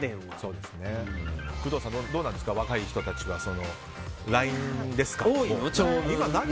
工藤さん、どうですか若い人たちはＬＩＮＥですか。